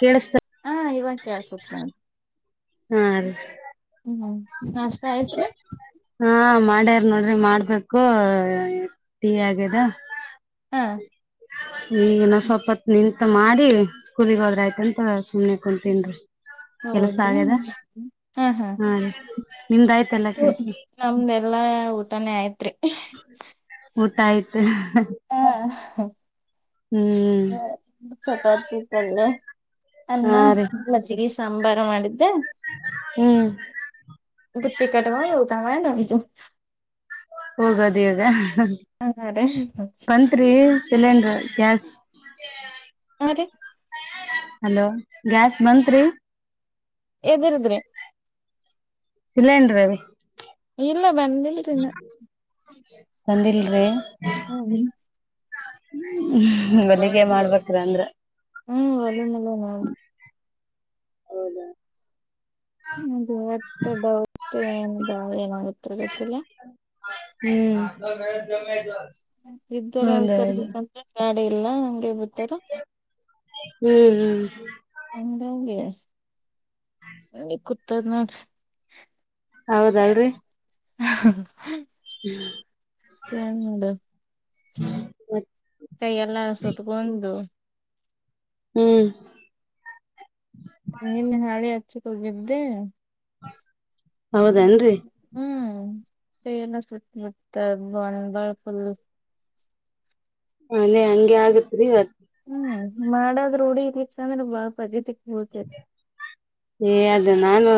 ಕೇಳಿಸತ್ತ್ ಹ ಇವಗಾ [unintelligible] ನಾನ್ ಹಾರ್ ಹ್ಮ್ ಹ್ಮ್ ನಾಷ್ಠ ಆಯಿಸ್ತ್ರ ಅಡ್ಯಾರ್ ನೋಡ್ರಿ ಮಾಡ್ಬೇಕು ಟೀ ಆಗದ ಹಾ ಈಗ ನ ಸ್ವಪತ್ ನಿಂಲ್ಸ್ ಮಾಡಿ ಸ್ಕೂಲಿಿಗೆ ಹೋದ್ರ ಆಯ್ತಂತ ಸುಮನೆ ಕುಂತನ್ರಿ ಹೌದ್ರಿ ಹಾ ಹಾ ನಿಮ್ದ ಆಯ್ತಲ್ಲ ಕೆಲ್ಸ ನಮ್ದ ಎಲ್ಲಾ ಊಟನೇ ಆಯ್ತ್ರಿ ಊಟ ಆಯ್ತು [unintelligible] ಹ್ಮ್ ಚಪಾತಿು [unintelligible] ಅನ್ನ ಹಾ ರೀ ಮಜ್ಜಿಗೆ ಸಾಂಬಾರ್ ಹ ಮಾಡಿದ್ದ. [unintelligible] ಹ್ಮ್ ಬುತ್ತಿ ಕಟ್ಟಗೊಂಡ ಊಟ ಮಾಡಿ ಹೋಗಿದ್ದು. ಹೋಗೋದೇ ಅದ. ಹ ಹಾ ರೀ ಬಂತ್ರಿ. Cylinder gas. ಹಾ ರೀ. ಹಲೋ ಗ್ಯಾಸ್ ಬಂತ್ರಿ. ಇದಿರದ್ರಿ. ಸಿಲೆಂಡ್ರ ರೀ. ಬಂದಿಲ್ಲರಿ ಇನ್ನ. ಬಂದಿಲ್ರಿ. ಹ್ಮ್ ಹ್ಮ [unintelligible] ಮಾಡ್ಬೇಕ್ರ ಅಂದ್ರ. ಹ್ಮ್ ಅದನೆಲ್ಲಾ ಮಾಡ. ಹೌದ. ಹ್ಮ ಬರತ್ತೆ ಡೌಟ್. ಸಿಲೆಂಡರ್ ಏನಾಗತ್ತ. [unintelligible] ಹ. [unintelligible] ಎಲ್ಲ ಹಂಗೆ ಬಿಟ್ಟ. ಹ್ಮ್ ಹ್ಮ್. ಹಮ್ ಹ. [unintelligible] ನಂಗೆ ಕುತ. [unintelligible] ಮಾಡ್ರಿ. ಹೌದಲ್ರಿ. [unintelligible] ತಿಂದ ನೋಡ ಮತ್ ಕೈ ಎಲ್ಲ ಸುತ್ಕೊಂಡು. ಹ್ಮ್. ನಿನ್ನೆ ಹಾಳಿ ಹಚ್ಚಕ ಹೋಗಿದ್ದೆ. ಹೌದೇನ್ರಿ. [unintelligible] ಸುತ್ ಮುತ್ [unintelligible] ಫುಲ್ಲು. ಹಾನೇ ಹಂಗೆ ಆಗತ್ರಿ ಇವತ್ ಹ್ಮ್ ಮಾಡದ್ ರೂಡಿ ಇರ್ಲಿಕ್ ಅಂದ್ರ ಬಾಳ ಪಜೀತಿ [unintelligible] [unintelligible] ನಾನೂ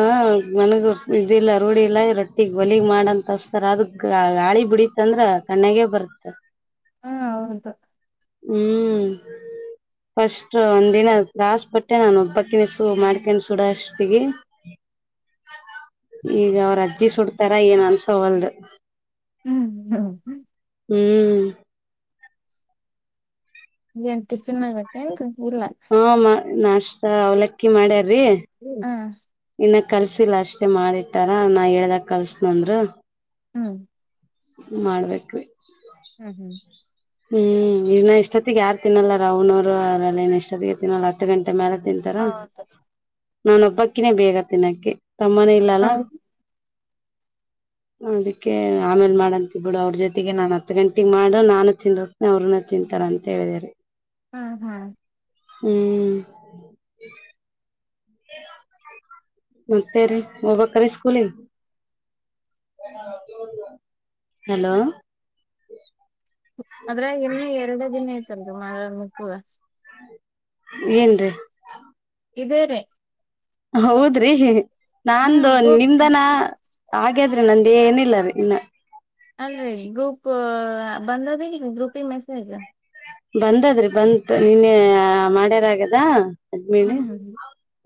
ನನ್ಗೂ ಇದಿಲ್ಲ ರೂಢಿ ಇಲ್ಲ ಈ ರೊಟ್ಟಿಗ್ ಒಲೀಗ್ ಮಾಡ್ ಅಂತ್ ತೋಸ್ತಾರ ಅದು ಗಾ ಗಾಳಿ ಬಡೀತಂದ್ರ ಕಣ್ ಗೇ ಬರತ ಹಾ ಹೌದು. ಹ್ಮ್, ಫಸ್ಟ್ ಒಂದಿನ ತ್ರಾಸ್ ಪಟ್ಟೆ ನಾನ್ ಒಬ್ಬಾಕಿನೆ ಸು ಮಾಡ್ಕೊಂಡ್ ಸುಡಾಷ್ಟೊತ್ತಿಗೆ, ಈಗ ಅವ್ರ್ ಅಜ್ಜಿ ಸುಡ್ತಾರ ಏನು ಅನ್ಸೋವಲ್ದು. ಹ್ಮ್ ಹ್ ಹ್ಮ್. ಹ್ಮೂ. ಏನ್ ಟಿಫಿನ್ ಮಾಡ್ಬೇಕ್ ಏನ್ರಿ? ಹಾ ಮ ನಾಶ್ [unintelligible] ಅವ್ಲಕ್ಕಿ ಮಾಡ್ಯಾ ರೀ ಹ ಇನ್ನ ಕಲ್ಸಿಲ್ಲ ಅಷ್ಟೆ ಮಾಡಿಟ್ಟಾರ ನಾ ಹೇಳ್ದಾಗ್ ಕಲ್ಸ್ತ್ ನಂದ್ರು ಹ್ಮ್. ಮಾಡ್ಬೇಕ್ ರೀ. ಹಹ್ಮ. ಹ್ಮ್ ಇನ್ನ ಇಷ್ಟೊತ್ತಿಗ್ ಯಾರ್ ತಿನ್ನಲ್ಲರಿ ಅವನೋರು ಅವರೆಲ್ಲ ಇನ್ನ ಇಷ್ಟೊತ್ತಿಗೆ ತಿನ್ನಲ್ಲ ಹತ್ ಗಂಟ್ [unintelligible] ಮ್ಯಾಲ ತಿಂತರ. ಹೌದು ನಾನೊಬ್ಬಕ್ಕಿನೇ ಬೇಗ ತಿನ್ನಕ್ಕಿ. ತಮ್ಮನು ಇಲ್ಲ ಅಲ್ಲ. ಅದಕ್ಕೆ ಆಮೇಲ ಮಾಡಂತೆ ಬಿಡು ಅವ್ರ ಜೊತೆಗೆ ನಾನ ಹತ್ತ ಗಂಟಿಗೆ ಮಾಡು ನಾನು. [unintelligible] ಅವ್ರನು ತಿಂತಾರ ಅಂತ ಹೇಳಿದೇರಿ. ಹ್ಮ್ ಹ್ಮ್. ಹ್ಮ್. ಮತ್ತೆ ರೀ ಹೋಗಬೇಕನ ಅಲ್ಲ ಸ್ಕೂಲೀಗ ಹಲೋ. ಅದರಾಗ ಇನ್ನು ಎರಡಿ ದಿನ ಐತಲ್ಲರಿ ಮಂಗಳರ. [unintelligible] ಏನ್ರಿ. ಇದೆ ರಿ. ಹೌದ್ರಿ. [unintelligible] ನಾನಂದು ನಿಮ್ದ ಹ್ಮ್ ನಾ ಹಾಗ. ಹಾಗಾದ್ರೆ ನಂದ ಏನ ಇಲ್ಲರಿ ಇನ್ನ. ಅಲ್ರರಿ ಗ್ರೂಪ್. ಪ ಬಂದದ ಈಗ ಗ್ರೂಪಿಗ ಮೆಸೇಜ್. ಬಂದದ್ರಿ ಬಂತ ನಿನ್ನೆ ಮಾಡ್ಯಾರ ಆಗದ. ಹ್ಮ್ ಹ್ಮ.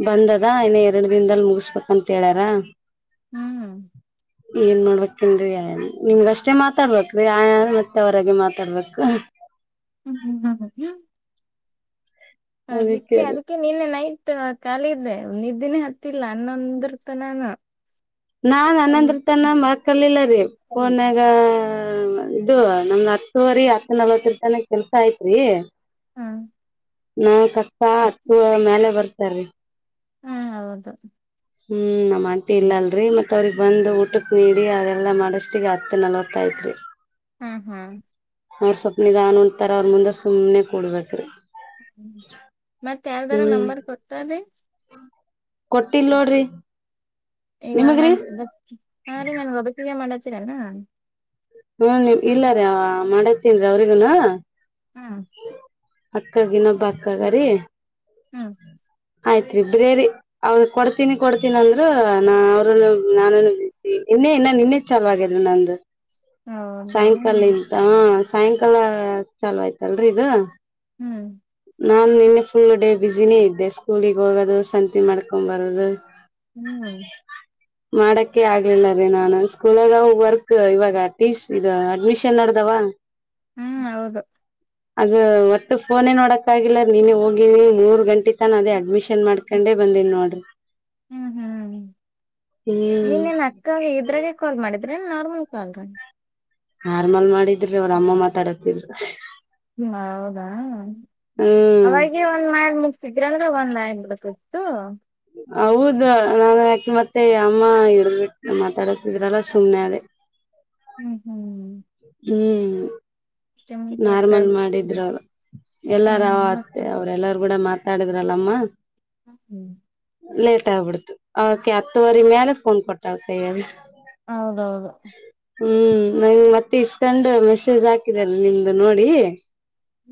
ಬಂದದ ಇನ್ನ ಎರಡ ದಿನದಲ್ಲಿ ಮುಗಿಸಬೇಕಂತ ಹೇಳ್ಯಾರ. ಹ್ಮ್. ಏನ ಮಾಡ್ಬೇಕನ್ರೀ ನಿಮ್ಗಷ್ಟೇ ಮಾತಾಡ್ಬೇಕ್ರೀ ಆಯ ಮತ್ತ ಅವರಿಗ ಮಾತಾಡ್ಬೇಕ. ಹ್ಮ್ ಹ್ಮ್ ಹ್ಮ. ಅದಕ್ಕೆ ಅದಕ್ಕೆ ನಿನ್ನೆ ನೈಟ್. ಖಾಲಿದ್ದೆ ನಿದ್ದಿನೇ ಹತ್ತಿಲ್ಲ ಹನ್ನೊಂದ್ರತನಾನು. ನಾನ್ನ್ನಂದ್ರ ತನ್ನ ಮಕ್ಕಲಿಲ್ಲಾರಿ ಫೋನ್ಯಾಗಾ. ಹ ಇದು ನಮ್ ಹತ್ತವರಿ ಅತ್ತನವತ್ತರತನ ಕೆಲ್ಸ ಯತ್ರಿ. ಹಾ ನಾ. ಹತ್ತು ಮೇಲೆ ಬರ್ತ. ಸರಿ. ಹಾ ಹೌದು. ಹ್ಮ್ ನಮ್ಮ. ಇಲ್ಲ ಅಲ್ರರಿ ಮತ್ತತ್ ಅವ್ರಿಗೆ. ಬಂದು ಊಟಕ್ಕೆ ನೀಡಿ ಅದೆಲ್ಲ ಮಾಡಷ್ಠಿಗೆ ಹತ್ತು ನಲ್ವತ್ತೈತ್ರಿ. ಹ್ಮ ಹಾ. ಅವ್ರ ಸ್ವಲ್ಪ ನಿದಾನಹೊಂಟ್ ತರ ಅವ್ರ ಮುಂದೆ ಸುಮನೆ ಕೂರಬೇಕ್ರಿ. ಮತ್ತೆ ಯಾರ್ದಾರ ನಂಬರ್ ಕೊಡ್ತ ರೀ. ಕೊಟ್ಟಿಲ್ ನೋಡ್ರಿ. ಇವಾಗ ನಿಮಗ್ರಿ ನಾನ್ ಒಬ್ಕ ಆ ರಿ ನನ್ ಒಬ್ಬಕಿಗ ಮಾಡ ತಿರ್ ಅನು ಹ್ಮ ನಿಮ್ ಇಲ್ಲಾರ ಮಾಡ ತಿನ್ ಅವ್ರರಿಗೂನು ಹಾ ಅಕ್ಕಗ್ ಇನ್ನೊಬ್ಬ ಅಕ್ಕಗರಿ ಹ್ಮ ಆಯ್ತ್ರಿಬ್ರೇರಿ ಅವ್ನ್ ಕೊಡ್ತೀನಿ ಕೊಡ್ತೀನಿ ಅಂದ್ರು ನ ಅವ್ರಲ್ಲ ಹ್ ನಾ ನಾನ ಇನ್ನೇ ಇನ್ನ ನಿನ್ನೇ ಚಲ ಆಗಿದ್ರು ನಂದು ಹೌದಾ ಸಾಯಂಕಾಲಿಂತಾ ಹಾ ಸಾಯಂಕಾಲ ಚಾಲ್ವಾ ಆಯ್ತಲ್ರಿ ಇದು ಹ್ಮ್ ನಾನ್ ನಿನ್ನೆ ಫುಲ್ ಡೇ ಬಿಸಿನೇ ಇದ್ದೆ ಸ್ಕೂಲಿಗೆ ಹೋಗೋದು ಸಂತಿ ಮಾಡ್ಕೊಂಡು ಬರದು ಹ್ಮ್ ಮಾಡಕೆ ಆಗ್ಲಿಲ್ಲ ರಿ ನಾನನ್ ಸ್ಕೂಲ್ಲಾ ಗ ವರ್ಕ್ ಇವಾಗ ಟಿಸ್ ದುಇ ಅಡ್ಮಿಷನ್ ನಡದಾವ ಹ್ಮ್ ಹೌದು ಅದು ಒಟ್ಟು ಫೋನೇ ನೋಡಕ್ ಆಗಿಲ್ಲ ನೀನೇ ಹೋಗಿವಿ ಮೂರ್ ಗಂಟಿ ತನ ಅದೇ ಅಡ್ಮಿಷನ್ ಮಾಡ್ಕೊಂಡೆ ಬಂದೀನಿ ನೋಡ್ರಿ ಹ್ಮ್ ಹ್ಮ್ ಹ್ಮ್ ನೀನ್ ನಿನ್ ಅಕ್ಕ ಇದ್ರಾಗೆ ಕಾಲ್ ಮಾಡಿದ ಡ್ರೆನ್ ನಾರ್ಮಲ್ ಕಾಲರ ನಾರ್ಮಲ್ ಮಾಡಿದ್ರಿ ಅವ್ರ ಅಮ್ಮ ಮಾತಾಡತಿದರು ಹ ಹೌದಾ ಹ್ಮ್ ಅವಾಗ ಒಂದ್ ಮಾಡಿ ಮುಗ್ಸಿದ್ರಂದ್ರ ಅಂದ್ರ ಒಂದ್ ಆಗಿ ಬಿಡ್ತಿತ್ತು ತ್ತು ಹೌದ ನಾನ ಯಾಕೆ ಮತ್ತೆ ಅಮ್ಮ ಹಿಡ್ಬಿಟ್ಟ ಮಾತಾಡತಿದ್ರಲ್ಲ ಸುಮ್ನೆ ಅದೇ ಹ್ಮ್ ಹ್ಮ್ [inaudible] ಹ್ಮ್ ತಕ್ಕ ನಾರ್ಮಲ್ ಮಾಡಿದ್ರು ಅವರು ಹ್ಮ್ ಎಲ್ಲಾರತ್ತೆ ಅವ್ರ ಹ್ಮ್ ಎಲ್ಲಾರ ಗೂಡ ಮಾತಾಡಿದ್ ಇರಲ್ಲಮ ಹ್ಮ್ ಕೊಟ್ಟ ಬಿಡ್ತು ಅವುಕ್ಕೆ ಹತ್ತುುವರಿ ಮ್ಯಾಲ ಫೋನ್ ಕೊಟ್ಟಾಳ ಕೈಯಾಗ ಹೌದೌದು ಹ್ಮ್ ನಂಗ ಮತ್ ಇಸ್ಕೊಂಡು ಮೆಸೇಜ್ ಹಾಕಿದ್ಯಾರಿ ನಿಮ್ದು ನೋಡಿ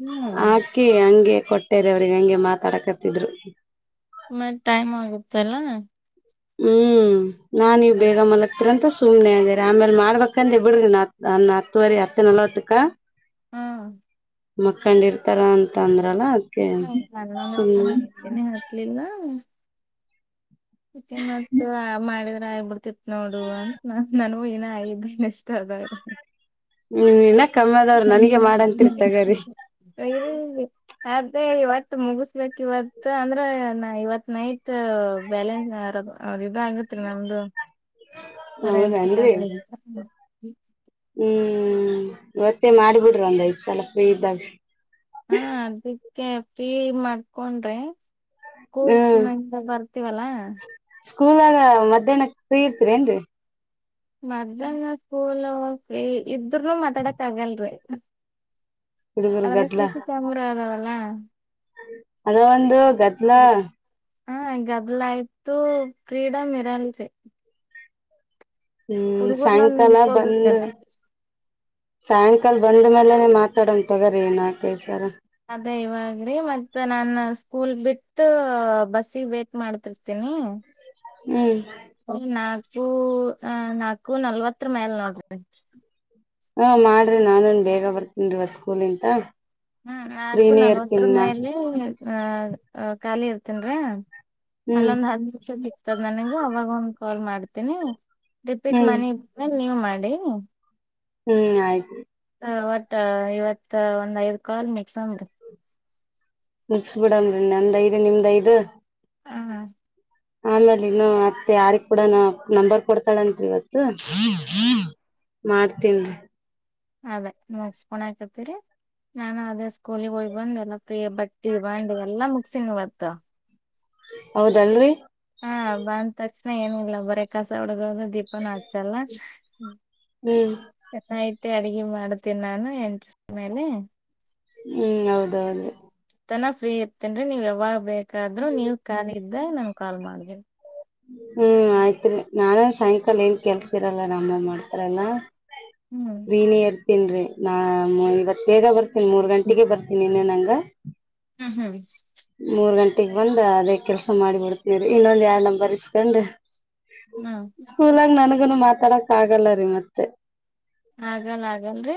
ಹ್ಮ್ ಆಕಿ ಹಂಗೆ ಕೊಟ್ಟೇರಿ ಅವ್ರಿಗೆ ಹಂಗೆ ಮಾತಾಡಕರ್ತಿದ್ರು ಮ ಟೈಮ್ ಆಗುತ್ತೆಲ್ಲ ಹ್ಮ್ ನಾನ್ ನೀವ್ ಬೇಗ ಮಲಗ್ ತ್ರಂತ ಸುಮನೆ ಆಗಾರೆ ಆಮೇಲೆ ಮಾಡ್ಬೇಕಂದೆ ಬಿಡ್ರಿ ನ ನನ್ನ ಹತ್ತುವರಿ ಹತ್ತು ನಲವ ಹ ಹ್ಮ ಮಕ್ಕಂಡ ಇರ್ತಾರ ಅಂತ ಅಂದ್ರ ಬರ್ತ ನಾ ಹ್ದೇನನೆ ಹತ್ಲಿಲ್ಲ ಮಾಡ ಮಾಡ ಆಗ್ಿಬಿಡ್ತಿತ್ ನೋಡು ಅಂತ ನ ನನಗೂ ನ ಆಗಿದ್ದನ್ ಇಷ್ಟ ಅದ ಹ್ಮ ಇಲ್ಲ ಅ ಇವ ಮುಗಿಸಬೇಕಕ್ ಇವತ್ ಅಂದ್ರೆ ಇವತ್ ನೈಟ್ ಬ್ಯಾಲೆನ್ಸ್ ಆರದು ಅವೌದ ಇ ಆಗತ್ರಿ ನಮ್ದು ರೆನ್ಸಿಕ್ ಆ ಹೌದನ್ರಿ ಹ್ಮ್ ಮತ್ತ ಮಾಡ್ಬಿ್ರ ಒಂದ್ಐ್ ಸ್ವಲ್ಪ ಇದ್ದಾಗ ಕೆಫ್ರೀ ಮಾಡ್ಕೊಂಡ್ರಿ ಕಕೂಲ್ ಚಿಂದ ಬರ್ತೀವಲ್ಲ ಸ್ಕೂಲ್ಾಗ ಮಧ್ಯಾಹ್ನ ಫ್ರೀ ಇರ್ತೀರ ಏನ್ರರಿ ಮಧ್ಯಾಹ್ನ ಸ್ಕೂಲ್ [unintelligible] ಇದ್ರನು ಮಾತಾಡಕ್ ಆಗಲ್ರಿ ಹುಡುಗರ್ ಅದ ಸಿಾಮರ ಲ್ಲ. ಅದೊಂದು ಗದಲಾ. ಹಾ ಗದಲ ಆಯ್ತು ಫ್ರೀಡಮ್ ಇರಲ್ರಿ. ಹ್ಮ್ ಹುಡುಗೂರ್ ನನ್ ಸಾಯಂಕಾಲ ಬಂದ ಹುಡ್ಕೋಬೇಕಲ್ಲ ಸಾಯಂಕಾಲ್. ಕಲ್ ಬಂದ ಮೇಲೆನೆ ಮಾತಾಡೋನ ತೋಗೋರಿ ಈ ನಾಲ್ಕೈದ ಸಲ. ಅದೇ ಇವಾಗ್ರೀ ಮತ್ತ ನಾನ ಸ್ಕೂಲ್ ಬಿಟ್ಟ ಬಸ್ಸಿಗೆ ವೇಟ್ ಮಾಡ್ತಿರ್ತೀನಿ. ಹ್ಮ್. ನಾಲ್ಕು ಹ ನಾಲ್ಕು ನಲ್ವತ್ತರ ಮ್ಯಾಲ ನೋಡ್ರಿ. ಹೂ ಮಾಡ್ರಿ ನಾನೇನ ಬೇಗ ಬರ್ತೀನರಿ ಇವತ್ತ ಸ್ಕೂಲ್ ಇಂತ. ಹ್ಮ್ ನಾಲ್ಕು ನಲ್ವತ್ತರ ಮೇಲೆ ಅದ. ಅ ಖಾಲಿ ಇರ್ತೀನರೆ. ಹ್ಮ್ ಅಲ್ಲೊಂದ ಹತ್ತ ನಿಮಿಷ ಬಿ. [unintelligible] ನನಗೂ ಅವಾಗ ಒಂದ ಕಾಲ್ ಮಾಡ್ತೀನಿ. ರಿಪೀಟ್ ಹ್ಮ್ ಮನಿಗ ಬಂದ ಮೇಲ. ನೀವ ಮಾಡಿ. ಹ್ಮ್ ಆಯ್ತು. ಹ ಒಟ್ಟ ಇವತ್ತ ಒಂದ ಐದ ಕಾಲ್ ಮುಗ್ಸ. ಸಮ್ಮರಿ. ಮುಗಸಬಿಡಮರಿ ನಂದ ಐದ ನಿಮ್ದ ಐದ. ಹ ಹಾ. ಆಮೇಲ ಇನ್ನು ಮತ್ತ ಯಾರಿಗ ಕೂಡನ ನಂಬರ್ ಕೊಡ್ತಾಳ ಅಂತರಿ ಇವತ್ತು ಮಾಡ್ತನ್ರಿ. ಅದ ಮುಗಸ್ಕೊಂಡಕತಿರಿ ನಾನು ಅದ ಸ್ಕೂಲಿಗ ಹೋಗಿ ಬಂದ ಎಲ್ಲಾ ಫ್ರೀ ಬಟ್ಟಿ ಬಾಂಡಿ ಎಲ್ಲಾ ಮುಗಸಿನಿ ಇವತ್ತ. ಹೌದನರಿ. ಹಾ ಬಂದ ತಕ್ಷಣ ಏನು ಇಲ್ಲ ಬರೆ ಕಸ ಹುಡಗೋದು. ದೀಪನು ಹಚಲ್ಲ. ಹ್ಮ್. ಹ್ಮ್ ಗುಡ್ ನೈಟ್. ಮತ್ತೆ ಅಡಗಿ ಮಾಡ್ತೇನಿ ನಾನು ಎಂಟ್ಸ್ತ ಮೇಲೆ. ಹ್ಮ್ ಹೌದೌದು. ತನ ಫ್ರೀ ಇತ್ ಅಂದ್ರೆ ನೀವ್ ಯಾವಾಗ್ ಬೇಕ್ ಕಾದ್ರೂ ನೀವ್ ಖಾಲಿ ಇದ್ದಾಗ್ ನಮಗ್ ಕಾಲ್ ಮಾಡ್ದೆ. ಹ್ಮ್ ಆಯ್ತ್ ರೀ ನಾಳೆ ಸಾಯಂಕಾಲ ಏನ್ ಕೆಲ್ಸಿರಲ್ಲ ನಮ್ ಅಮ್ ಮಾಡ್ತಾರಲ್ಲಾ. ಹ್ಮ್ ವೀನಿಯರ್ ಇಲ್ರಿ ನಾ ನು ಇವತ್ ಬೇಗ ಬರ್ತ್ [unintelligible] ಮೂರ್ ಗಂಟೆಗೆ ಬರ್ತಿನಿ ಇನ್ನೇನ್ ನಂಗ್ ದಾ ಹ್ಮ್ ಹು. ಮೂರ್ ಗಂಟೆಗ್ ಬಂದ್ ಅದೇ ಕೆಲ್ಸ ಮಾಡ್ ಬಿಡ್ತೀವ್ರೀ ಇನ್ನೊಂದ್ ಎರ್ಡ್ ನಂಬರ್ ಇಸ್ಕಂಡು ಹ್ಮ್ ಸ್ಕೂಲಾಗ್ ನನಗೂನು ಮಾತ್ ಖಡಕ್ ಆಗಲ್ಲ ರೀ ಮತ್ತೆ. ಆಗಲ್ಲ ಆಗಲ್ರಿ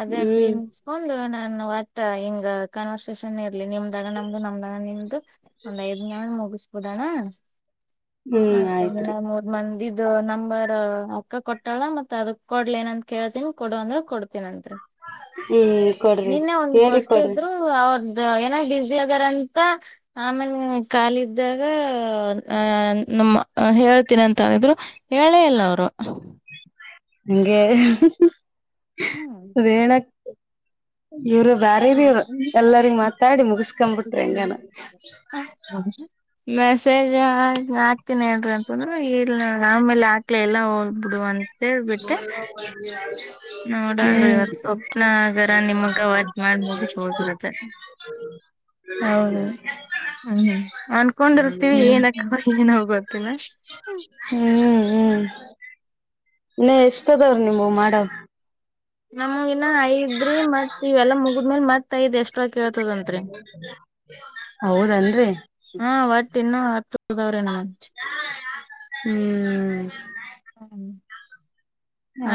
ಅದೇ ಫ್ರೀ ಹ್ಮ್ ಮುಗ್ಸ್ಕೊಂಡು ನಾನ್ [unintelligible] [unintelligible] ಹಿಂಗ ಕನ್ವರ್ಸೇಷನ್ ಇರ್ ಇಲ್ಲಿ ನಿಮ್ದಾಗ ನಮ್ದು ನಮ್ದಾಗ ನಿಮ್ದು ಒಂದ್ ಐದ್ ಮಾಡ್ ಮುಗ್ಸ್ ಒದಾಣ. ಹ್ಮ್ ಆಯ್ತ್ ಹಂಗೆ ಇನ್ನ ಆಯ್ತ್ರಿ ಮೂರ್ ಮಂದಿದ್ ಇದು ನಂಬರ್ ಅಕ್ಕ ಕೊಟ್ಟಾಳ ಮತ್ತ ಅದ ಕೊಡ್ಲ ಏನಂತ. ಕೇಳ್ತೀನಿ ಕೊಡು ಅಂದ್ರೆ ಕೊಡ್ತೀನಂತೆ. ಹ್ಮ್ ಕೊಡ್ರಿ ನಿನ್ನೆ ಒಂದ ಹೇಳಿ ಕೊಡ್ರಿ ಕೊಟ್ಟಿದ್ರು ಅವನ್ ಏನೂ ಬಸಿ ಆದರ ಅಂತ ಆಮೇಲೆ ಕಾಲಿ ಇದ್ದಾಗ ನಮ್ಮ ಹೇಳ್ತೀನಿ ಅಂತ ಅಂದಿದ್ರು ಹೇಳೇ ಇಲ್ಲ ಅವರು. ಹಂಗೆ. ರೇಳ. ಇವ್ರು ಬ್ಯಾರೆ ರಿ ಇವ್ರು ಎಲ್ಲರಿಗ ಮಾತಾಡಿ ಮುಗಸ್ಕೊಬಿಟ್ರು ಹೆಂಗಾನ. ಮೆಸೇಜ ಹಾಕ್ತನಿ ಹೇಳ್ರಿ ಅಂತಂದ್ರ ಇ ಆ ಮೇಲೆ ಹಾಕ್ಲೆ ಇಲ್ಲ ಹೋಗ್ಲಿ ಬಿಡು ಅಂತ. [unintelligible] ನೋಡಣರಿ ಹ್ಮ್ ಇವ ಸ್ವಪ್ನ ಆಗಾರ ನಿಮ್ಗ ಅವಾಜ್ ಮಾಡ್ ಮುಗ ಹೋಗಿರತ್ತ. ಹೌದ. ಹ್ಮ್ ಅನ್ಕೊಂಡಿರ್ತೀವಿ ಏನಕ್ಕವಾ ಏನೂ ಗೊತ್ತಿಲ್ಲ. ಹ್ಮ್ ಹ್ಮ್ ಇನ್ನ ಎಷ್ಟ ಅದವ್ ರಿ ನಿಮ್ಮವ್ ಮಾಡವು. ನಮ್ಮವು ಇನ್ನ ಐದ್ರಿ ಮತ್ ಇವೆಲ್ಲಾ ಮುಗಿದ್ಮೇಲೆ ಮತ್ ಥೈದೆಷ್ಟ್ ಹೌದನ್ರೀ ಹಾ ಒಟ್ [unintelligible] ಹ್ಮೂ. ಹ್ಮ್.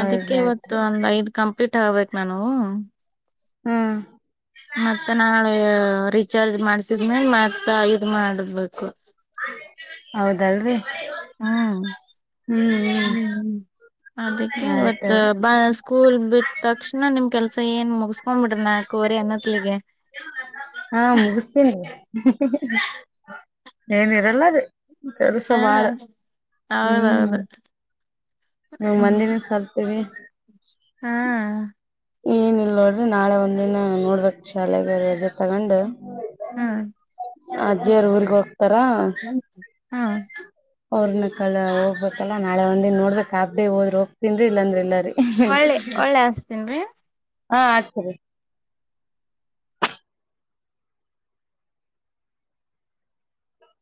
ಅದಕ್ಕೆ ಇವತ್ತು ಒಂದ್ ಐದ್ ಕಂಪ್ ಫಿಟ್ ಆಗ್ಬೇಕ್ ನಾನೂ. ಹಾ. ಮತ್ತೆ ನಾಳೇ ರೀಚಾರ್ಜ್ ಮಾಡ್ಸ್ ಇದ್ಮೇನ್ ಮತ್ ಇದ್ ಮಾಡ್ಬೇಕು. ಹೌದಲ್ರಿ. ಹ್ಞಾಂ ಹ್ಮ್ ಹ್ಮ್ ಅದಕ್ಕೆ ಆಯ್ತ ಇವತ್ ಬ ಸ್ಕೂಲ್ ಬಿಟ್ ತಕ್ಷ್ಣ ನಿಮ್ ಕೆಲ್ಸ ಏನ್ [inaudible] ಹೋಗ್ಬಿಡ್ರ ನ ಕೋರಿ ಅನ್ನತ್ಲಿಗೆ ಹಾ ಮುಗಿಸ್ತೀನಿ ಏನಿರಲ್ಲ ಅದ ಕೆರುಸ ಹ ಬಾಳ ಹ್ಮ್ ಹೌದೌದು ನ ಮನಿನ ಸರ್ತೀವಿ ಹ್ಮ್ ಏನ ಇಲ್ ನೋಡ್ರಿ ನಾಳೆ ಒಂದಿನ ನೋಡ್ಬೇಕ ಶಾಲೆಗೆ ರಜೆ ತಗೊಂಡ್ ಹ್ಮ್ ಅಜ್ಜಿಯ್ರ ಊರಿಗೆಗ ಹೋಗ ಹಾ ಅವ್ರನ ಕಳ ಹೋಗ್ಬೇಕಲ್ಲ ನಾಳೆ ಒಂದಿನ್ ನೋಡ್ದೆಾಬಡಿ ಹೋದ್ರ ಹೋಗ್ತೀನ್ರಿ ಇಲ್ಲಾಂದ್ರಿ ಇಲ್ಲರರಿ ಒಳ್ಳೆ ಒಳ್ಳೆ ಹಸ್ತೇನ್ರೀ ಹಾ ಅ ಸರಿ